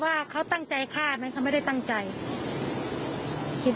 แล้วก็เอาปืนยิงจนตายเนี่ยมันก็อาจจะเป็นไปได้จริง